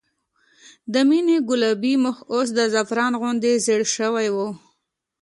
د مينې ګلابي مخ اوس د زعفران غوندې زېړ شوی و